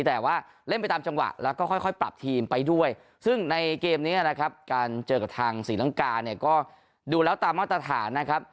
แต่ว่าเล่นไปตามจังหวะแล้วก็ค่อยปรับทีมไปด้วยซึ่งในเกมนี้นะครับการเจอกับทางศรีลังกาเนี่ยก็ดูแล้วตามมาตรฐานนะครับ